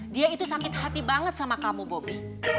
dia itu sakit hati banget sama kamu bobi